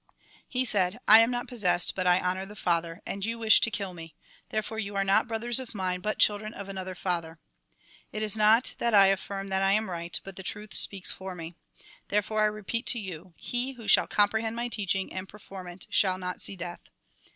He said :" I am not possessed ; but I honour the Father, and you wish to kill me ; therefore you are not brothers of mine, but children of another father. It is not I that affirm that I am right, but the truth speaks for me. Therefore I repeat to you : he who shall comprehend my teaching and perform it, shall not see death."